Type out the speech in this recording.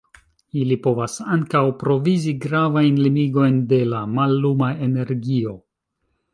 Ili povas ankaŭ provizi gravajn limigojn de la malluma energio.